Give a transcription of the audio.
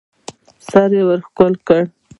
سر يې ورښکل کړ.